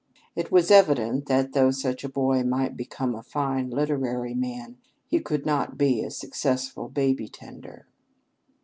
It was evident, that, though such a boy might become a fine literary man, he could not be a successful baby tender.